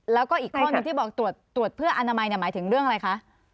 แล้วก็อีกข้อหนึ่งที่บอกตรวจเพื่ออนามัยหมายถึงเรื่องอะไรคะ